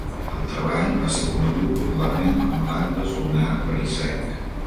El treball va ser conegut popularment com l'Atles lunar parisenc.